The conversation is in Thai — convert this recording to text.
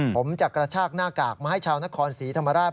ผมจะกระชากหน้ากากมาให้ชาวนครศรีธรรมราช